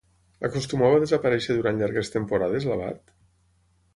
Acostumava a desaparèixer durant llargues temporades l'abat?